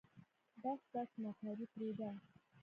بس بس مکاري پرېده.